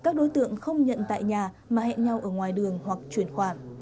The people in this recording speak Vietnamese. các đối tượng không nhận tại nhà mà hẹn nhau ở ngoài đường hoặc chuyển khoản